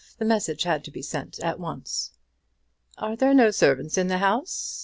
The message had to be sent at once." "Are there no servants in the house?